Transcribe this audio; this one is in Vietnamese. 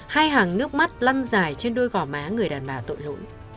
hai hàng nước mắt lăn dài trên đôi gỏ má người đàn bà tội lỗi